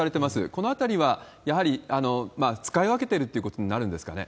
このあたりはやはり使い分けてるってことになるんですかね？